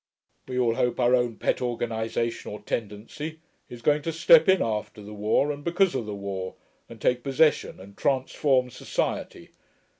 We all hope our own pet organisation or tendency is going to step in after the war and because of the war and take possession and transform society.